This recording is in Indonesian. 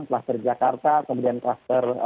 klaster jakarta kemudian klaster